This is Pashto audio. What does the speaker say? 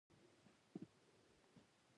بادرنګ د سبزیو په منځ کې تر ټولو خوږ سبزی ده.